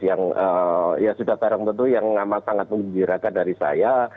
yang sudah sekarang tentu yang sangat menggirakan dari saya